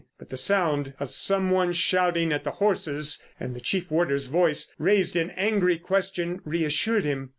But the sound of some one shouting at the horses, and the chief warder's voice raised in angry question, reassured him.